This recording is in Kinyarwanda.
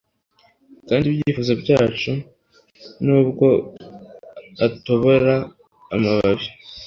kandi ibyifuzo byacu. nubwo atobora amababi